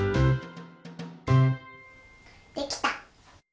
できた！